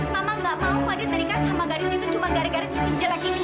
mama nggak mau fadil terikat sama gadis itu cuma gara gara cincin jelas